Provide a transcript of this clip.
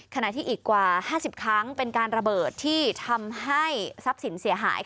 ขณะที่อีกกว่า๕๐ครั้งเป็นการระเบิดที่ทำให้ทรัพย์สินเสียหาย